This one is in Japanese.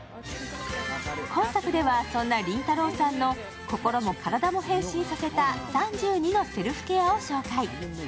今作ではそんなりんたろーさんの心も体も変身させた３２のセルフケアを紹介。